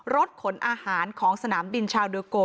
รถขนอาหารของสนามบินชาวเดอร์โก